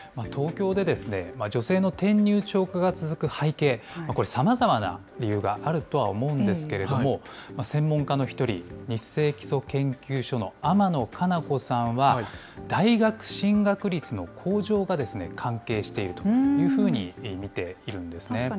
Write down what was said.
東京で女性の転入超過が続く背景、これ、さまざまな理由があるとは思うんですけれども、専門家の一人、ニッセイ基礎研究所の天野かなこさんは、大学進学率の向上が関係しているというふうに見ているんですね。